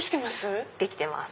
できてます？